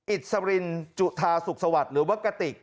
อิตฉรินจุธาะสุขสวรรค์หรือว่ากะติก